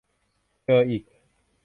เจออีก